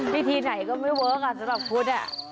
วิธีไหนก็ไม่เวิร์คสำหรับพุทธ